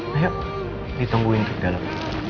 hei ayo ditungguin di dalam